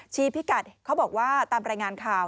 พิกัดเขาบอกว่าตามรายงานข่าว